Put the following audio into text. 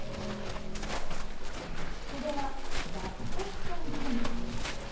それは「ＤＡＴスキャン検査」。